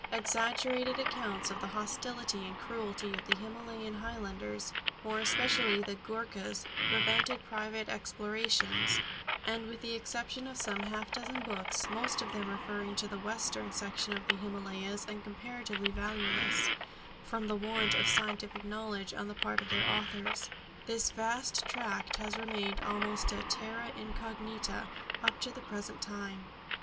Exaggerated accounts of the hostility and cruelty of the Himalayan highlanders more especially the Ghoorkas prevented private explorations; and with the exception of some half dozen books, most of them referring to the western section of the Himalayas, and comparatively valueless, from the want of scientific knowledge on the part of their authors, this vast tract has remained almost a terra incognita up to the present time.